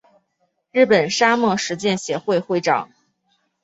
日本沙漠实践协会会长。